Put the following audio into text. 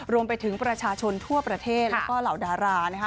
รวมไปถึงประชาชนทั่วประเทศแล้วก็เหล่าดารานะคะ